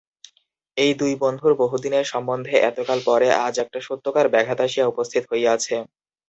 এই দুই বন্ধুর বহুদিনের সম্বন্ধে এতকাল পরে আজ একটা সত্যকার ব্যাঘাত আসিয়া উপস্থিত হইয়াছে।